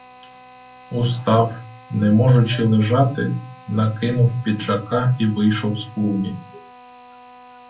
Устав, не можучи лежати, накинув піджака і вийшов з клуні.